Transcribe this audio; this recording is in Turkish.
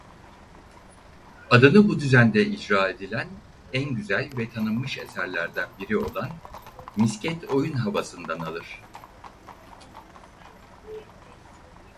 Adını bu düzende icra edilen en güzel ve tanınmış eserlerden biri olan "Misket oyun havası"ndan alır.